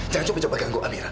jangan coba ganggu amira